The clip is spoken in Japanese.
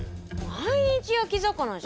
毎日焼き魚じゃん。